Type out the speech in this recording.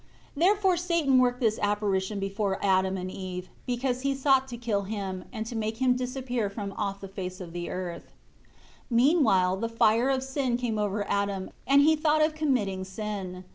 12 Therefore Satan worked this apparition before Adam and Eve; because he sought to kill him, and to make him disappear from off the face of the earth. 13 Meanwhile the fire of sin came over Adam, and he thought of committing sin.